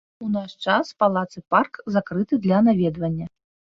У наш час палац і парк закрыты для наведвання.